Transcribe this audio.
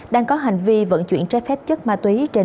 đang có hành vi vận chuyển trái phép chất ma túy trên địa bàn huyện